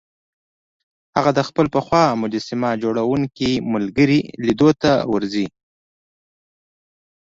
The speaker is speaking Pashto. هغه د خپل پخوا مجسمه جوړوونکي ملګري لیدو ته ورځي